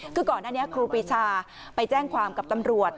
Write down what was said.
คือก่อนหน้านี้ครูปีชาไปแจ้งความกับตำรวจ